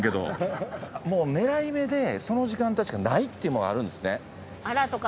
狙い目でその時間帯しかないっていうものあるんですね。